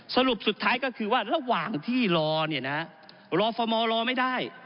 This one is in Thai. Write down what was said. สรุปสุดท้ายก็คือว่าระหว่างที่รอเนี่ยนะฮะรอฟมรอไม่ได้